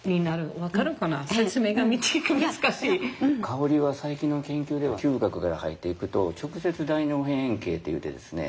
香りは最近の研究では嗅覚から入っていくと直接大脳辺縁系っていってですね